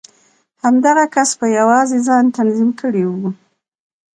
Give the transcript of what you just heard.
همدغه کس په يوازې ځان تنظيم کړی و.